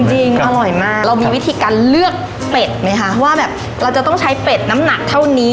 จริงอร่อยมากเรามีวิธีการเลือกเป็ดไหมคะว่าแบบเราจะต้องใช้เป็ดน้ำหนักเท่านี้